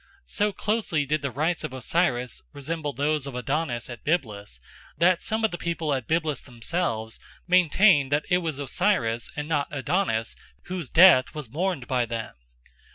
So closely did the rites of Osiris resemble those of Adonis at Byblus that some of the people of Byblus themselves maintained that it was Osiris and not Adonis whose death was mourned by them.